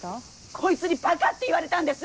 こいつにバカって言われたんです！